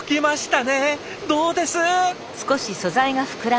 どうです？